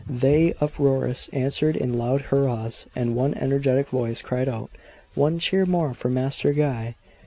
They, uproarious, answered in loud hurrahs, and one energetic voice cried out: "One cheer more for Master Guy!"